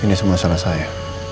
ini semua salah saya